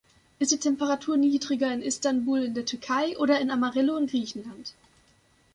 Ist die Temperatur niedriger in Istanbul, in der Türkei, oder in Amarillo, in Griechenland?